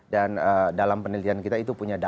dan dalam penelitian kita itu punya dampak